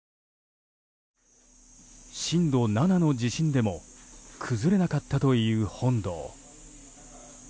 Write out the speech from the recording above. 震度７の地震でも崩れなかったという本堂。